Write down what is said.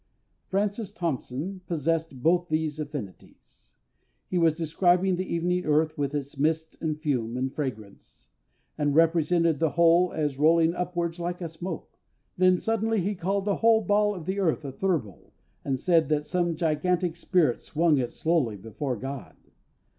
FRANCIS THOMPSON possessed both these infinities.... He was describing the evening earth with its mist and fume and fragrance, and represented the whole as rolling upwards like a smoke; then suddenly he called the whole ball of the earth a thurible, and said that some gigantic spirit swung it slowly before God.